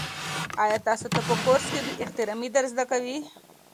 آیا تاسو ته په کورس کې بې احترامي در زده کوي؟